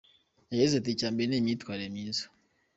Yagize ati “Icya mbere ni imyitwarire myiza.